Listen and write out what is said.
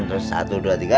terus satu dua tiga